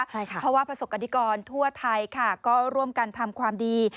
เพราะว่าประสบกรณิกรทั่วไทยค่ะก็ร่วมกันทำความดี